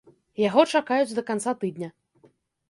Яго чакаюць да канца тыдня.